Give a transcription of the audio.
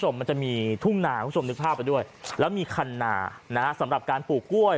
มันจะมีทุ่งนาคุณผู้ชมนึกภาพไปด้วยแล้วมีคันนานะฮะสำหรับการปลูกกล้วย